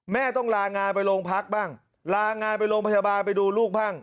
ต้องลางานไปโรงพักบ้างลางานไปโรงพยาบาลไปดูลูกบ้าง